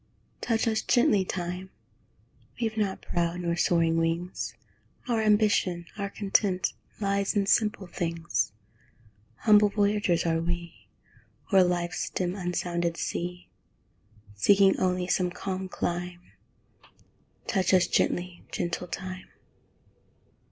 Touch us gently, Time! We've not proud nor soaring wings; Our ambition, our content, Lies in simple things. Humble voyagers are we, O'er life's dim unsounded sea, Seeking only some calm clime; Touch us gently, gentle Time!